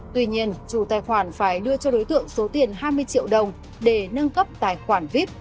tuy nhiên chủ tài khoản phải đưa cho đối tượng số tiền hai mươi triệu đồng để nâng cấp tài khoản vip